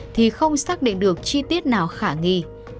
thì không xác định được chi tiết nào khả nghi